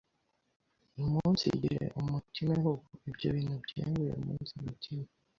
umunsigire umutime hubu, ibyo bintu byemvuye umunsi mutime,